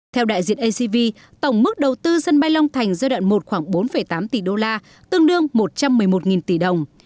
theo đại diện acv tổng mức đầu tư sân bay long thành giai đoạn một khoảng bốn tám tỷ đô la tương đương một trăm một mươi một tỷ đồng